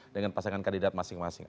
dengan pasangan kandidat masing masing